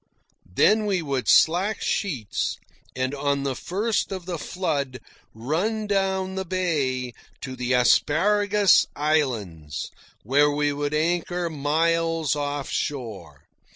Then we would slack sheets, and on the first of the flood run down the bay to the Asparagus Islands, where we would anchor miles off shore.